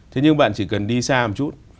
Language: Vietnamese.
thế nhưng bạn chỉ cần đi xa một chút